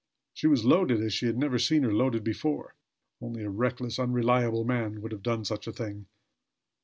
She was loaded as he had never seen her loaded before. Only a reckless, unreliable man could have done such a thing.